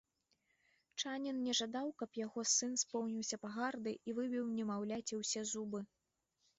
Чанін не жадаў, каб яго сын споўніўся пагарды, і выбіў немаўляці ўсе зубы.